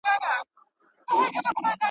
o اسمان ليري، مځکه سخته.